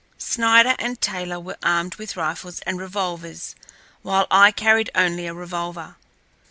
Snider and Taylor were armed with rifles and revolvers, while I carried only a revolver.